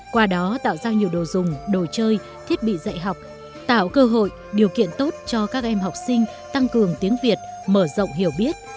qua đó tạo ra nhiều đồ dùng đồ chơi thiết bị dạy học tạo cơ hội điều kiện tốt cho các em học sinh tăng cường tiếng việt mở rộng hiểu biết